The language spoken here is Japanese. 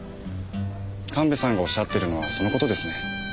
神戸さんがおっしゃってるのはその事ですね。